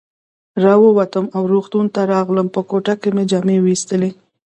را ووتم او روغتون ته راغلم، په کوټه کې مې جامې وایستلې.